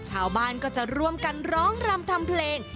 ชาวบ้านก็จะร่วมกันร้องรำทำเพลง